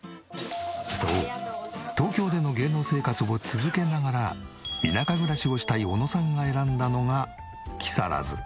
そう東京での芸能生活を続けながら田舎暮らしをしたい小野さんが選んだのが木更津。